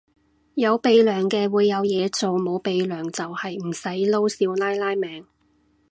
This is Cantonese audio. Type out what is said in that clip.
有鼻樑嘅會有嘢做，冇鼻樑就係唔使撈少奶奶命